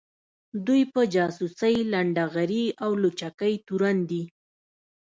دوی په جاسوۍ ، لنډغري او لوچکۍ تورن دي